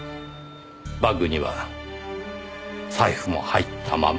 バッグには財布も入ったまま。